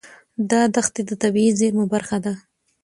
دا دښتې د طبیعي زیرمو برخه ده.